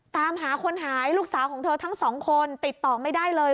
ตามหาคนหายลูกสาวของเธอทั้งสองคนติดต่อไม่ได้เลย